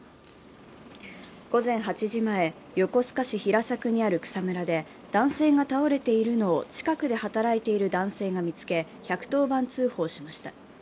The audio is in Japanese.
午前８時前、横須賀市平作にある草むらで、男性が倒れているのを近くで働いている男性が見つけ１１０番通報しました。